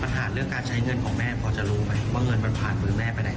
ปัญหาเรื่องการใช้เงินของแม่พอจะรู้ไหมว่าเงินมันผ่านมือแม่ไปไหน